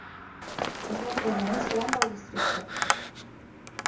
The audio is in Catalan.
És la presó més gran del districte.